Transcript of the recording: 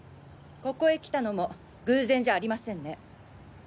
ここへ来たのも偶然じゃありませんね。